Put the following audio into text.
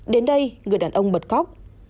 đến đây người đàn ông bật khóc